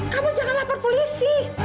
kamu jangan lapor polisi